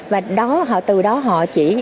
và từ đó họ chỉ